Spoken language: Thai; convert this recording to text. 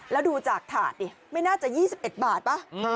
แล้วดูจากฐานะน่าจะ๒๑บาทเปล่า